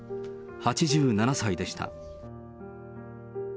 ８７歳でした。